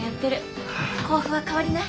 甲府は変わりない？